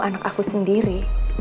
anak aku sendiri